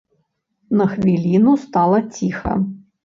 На хвіліну стала ціха.